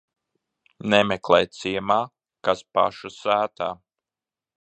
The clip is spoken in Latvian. Nemeklē ciemā, kas paša sētā.